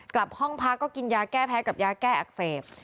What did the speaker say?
กลับห้องพักก็กินยาแก้แพ้กับยาแก้อักเสบ